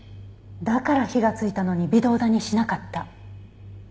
だから火がついたのに微動だにしなかった。